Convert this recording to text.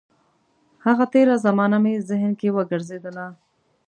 هغه تېره زمانه مې ذهن کې وګرځېدله.